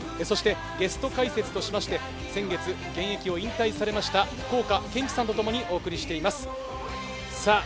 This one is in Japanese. ゲスト解説としまして先月、現役を引退されました福岡堅樹さんとともにお送りしています。